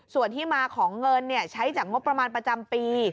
ส่วนที่มาของเงินใช้จากงบประมาณประจำปี